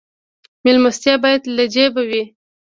میلمستیا باید له جیبه وي